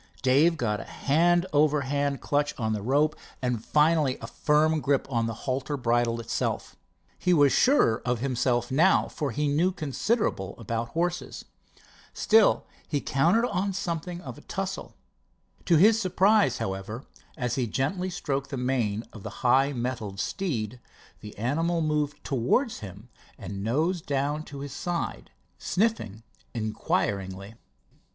Dave got a hand over hand clutch on the rope and finally a firm grip on the halter bridle itself. He was surer of himself now, for he knew considerable about horses. Still he counted on something of a tussle. To his surprise, however, as he gently stroked the mane of the high mettled steed, the animal moved toward him and nosed down to his side, sniffing inquiringly.